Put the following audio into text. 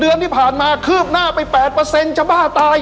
เดือนที่ผ่านมาคืบหน้าไป๘จะบ้าตาย